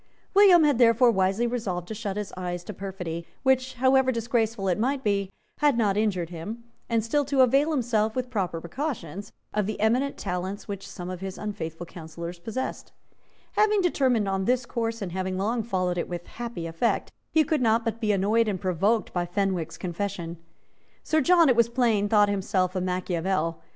William had therefore wisely resolved to shut his eyes to perfidy, which, however disgraceful it might be, had not injured him, and still to avail himself, with proper precautions, of the eminent talents which some of his unfaithful counsellors possessed, Having determined on this course, and having long followed it with happy effect, he could not but be annoyed and provoked by Fenwick's confession. Sir John, it was plain, thought himself a Machiavel.